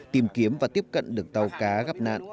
tìm kiếm và tiếp cận được tàu cá gặp nạn